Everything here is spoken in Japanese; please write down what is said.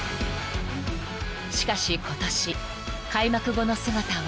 ［しかし今年開幕後の姿は］